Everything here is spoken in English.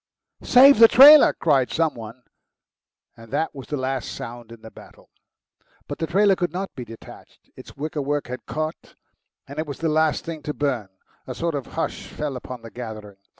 "Save the trailer!" cried some one, and that was the last round in the battle. But the trailer could not be detached; its wicker work had caught, and it was the last thing to burn. A sort of hush fell upon the gathering.